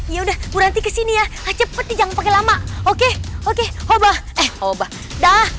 yaudah bu ranti kesini ya cepet nih jangan pake lama oke oke oba eh oba dah